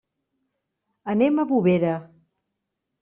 Anem a Bovera.